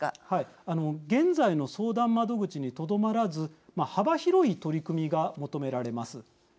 現在の相談窓口にとどまらず幅広い取り組みが求められます。